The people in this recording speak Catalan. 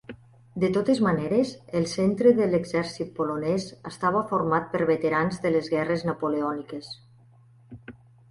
De totes maneres, el centre de l'exèrcit polonès estava format per veterans de les guerres napoleòniques.